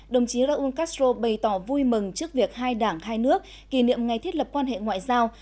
đồng chí raúl castro bày tỏ vui mừng trước việc hai đảng hai nước kỷ niệm ngày thiết lập quan hệ ngoại giao